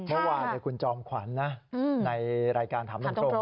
เมื่อวานคุณจอมขวัญในรายการถามตรง